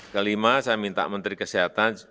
kelima saya minta menteri kesehatan